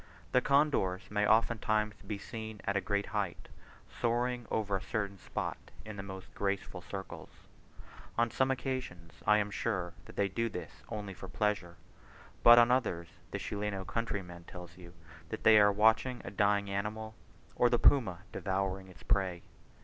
The condors may oftentimes be seen at a great height, soaring over a certain spot in the most graceful circles. On some occasions I am sure that they do this only for pleasure, but on others, the Chileno countryman tells you that they are watching a dying animal, or the puma devouring its prey.